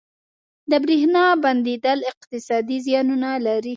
• د برېښنا بندیدل اقتصادي زیانونه لري.